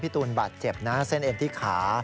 ตูนบาดเจ็บนะเส้นเอ็นที่ขา